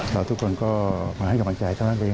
แล้วทุกคนก็มาให้กำลังใจทั้งนักเรียน